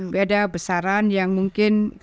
beda besaran yang mungkin